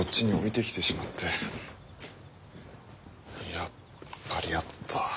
やっぱりあった。